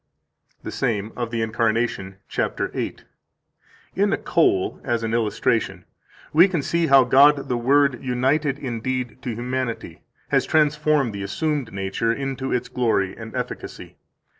158 The same, Of the Incarnation, cap. 8: In a coal, as an illustration, we can see how God the Word, united indeed to humanity, has transformed the assumed nature into its glory and efficacy.